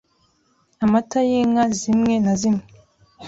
Amata y’inka zimwe na zimwe